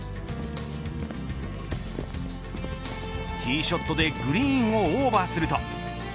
ティーショットでグリーンをオーバーすると。